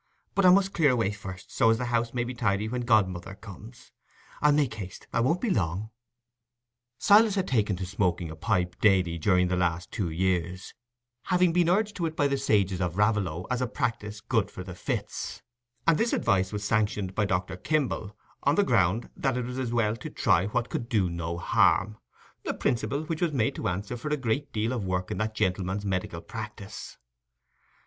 But I must clear away first, so as the house may be tidy when godmother comes. I'll make haste—I won't be long." Silas had taken to smoking a pipe daily during the last two years, having been strongly urged to it by the sages of Raveloe, as a practice "good for the fits"; and this advice was sanctioned by Dr. Kimble, on the ground that it was as well to try what could do no harm—a principle which was made to answer for a great deal of work in that gentleman's medical practice.